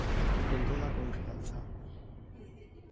Con toda a confianza.